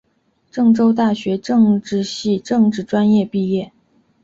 郑州大学政治系政治专业毕业。